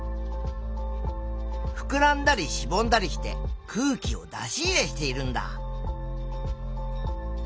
ふくらんだりしぼんだりして空気を出し入れしているんだ。